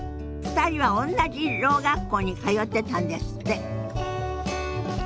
２人はおんなじろう学校に通ってたんですって。